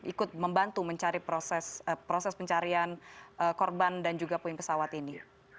ikut membantu mencari proses pencarian korban dan juga puing pesawat ini